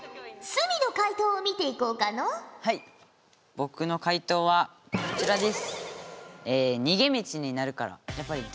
ボクの解答はこちらです。